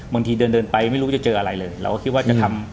บางทีเดินไปไม่รู้จะเจออะไรเลยเราก็คิดว่าจะทำ